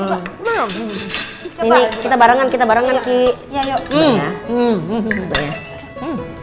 ini kita barengan kita barengan yuk